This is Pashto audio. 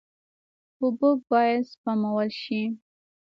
اوبه باید سپمول شي.